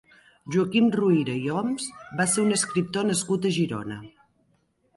Joaquim Ruyra i Oms va ser un escriptor nascut a Girona.